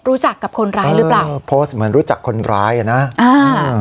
รู้จักกับคนร้ายหรือเปล่าเออโพสต์เหมือนรู้จักคนร้ายอ่ะนะอ่า